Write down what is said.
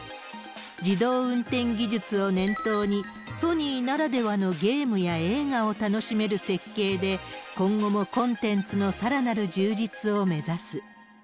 自動運転技術を念頭に、ソニーならではのゲームや映画を楽しめる設計で、今後もコンテンツのさらなる充実を目指す。